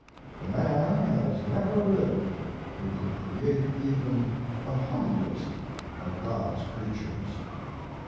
The man has never lived who could create even the humblest of God's creatures.